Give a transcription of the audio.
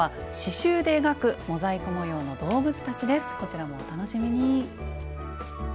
こちらもお楽しみに。